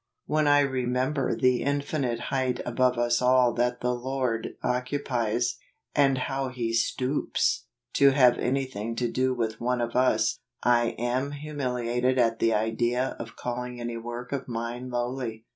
When I remember the infinite height above us all that the Lord occupies, and how He stoops , to have anything to do with one of us, I am humiliated at the idea of calling any work of mine lowly.